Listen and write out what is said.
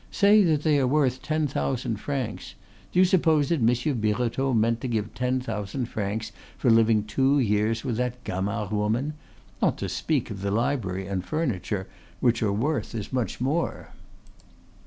Say that they are worth ten thousand francs; do you suppose that Monsieur Birotteau meant to give ten thousand francs for living two years with that Gamard woman, not to speak of the library and furniture, which are worth as much more?"